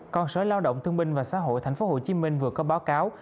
còn sở lao động thương binh và xã hội tp hcm vừa có báo cáo